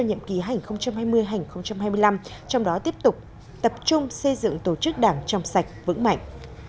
nhiệm kỳ hai nghìn hai mươi hai nghìn hai mươi năm trong đó tiếp tục tập trung xây dựng tổ chức đảng chăm sạch vững mạnh